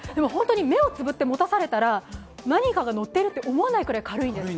目をつぶって持たされたら、何かがのってるって思わないくらい軽いです。